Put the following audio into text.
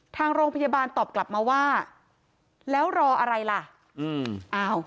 ทางโรงพยาบาลตอบกลับมาว่าแล้วรออะไรล่ะอืมอ้าว